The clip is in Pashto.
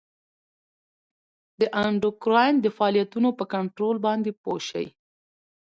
د اندوکراین د فعالیتونو په کنترول باندې پوه شئ.